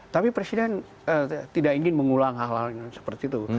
tapi presiden tidak ingin mengulang hal hal yang seperti itu